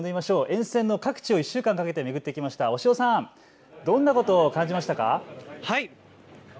沿線の各地を１週間かけて巡ってきました押尾さん、どんなことを感じましたか。